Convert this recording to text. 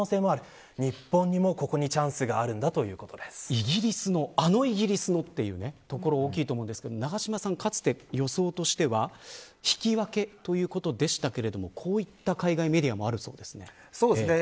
イギリスのあのイギリスのというところ、大きいと思うんですけど永島さん、予想としては引き分けということでしたけれどもこういった海外メディアもあるそうですね。